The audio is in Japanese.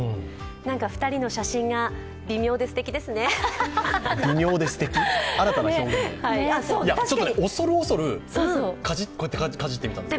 ２人の写真が微妙ですてきですね恐る恐るかじってみたんですよ。